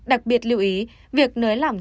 đặc biệt lưu ý việc nới lỏng